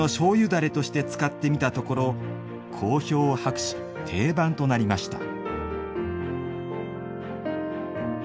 だれとして使ってみたところ、好評を博し定番となりました。